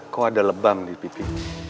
kok ada lebam di pipi